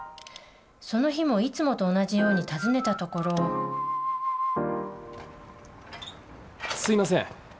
その日もいつもと同じように訪ねたところすいません。